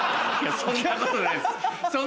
そんなことないです！